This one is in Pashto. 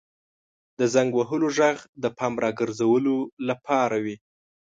• د زنګ وهلو ږغ د پام راګرځولو لپاره وي.